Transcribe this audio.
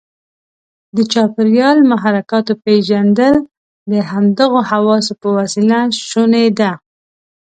د چاپیریال محرکاتو پېژندل د همدغو حواسو په وسیله شونې ده.